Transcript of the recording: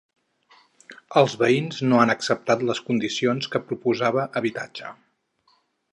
Els veïns no han acceptat les condicions que proposava Habitatge.